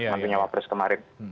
mantunya wapres kemarin